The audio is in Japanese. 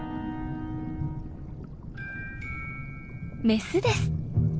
メスです。